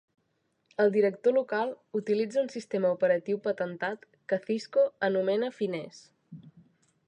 El director local utilitza un sistema operatiu patentat que Cisco anomena Finesse.